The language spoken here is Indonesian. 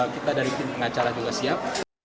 kita dari tim pengacara juga siap